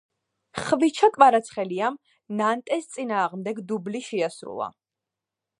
ხვიჩა კვარაცხელიამ ნანტეს წინააღმდეგ დუბლი შეასრულა